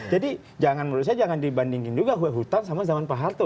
jadi jangan menurut saya jangan dibandingin juga hutang sama zaman pak harto